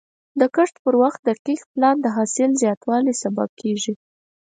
د کښت پر وخت دقیق پلان د حاصل زیاتوالي سبب کېږي.